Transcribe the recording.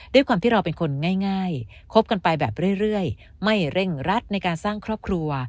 ด้วยความที่เราเป็นคนง่ายคบกันไปแบบเรื่อยไม่เร่งรัดในการสร้างครอบครัว